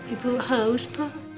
ibu haus pak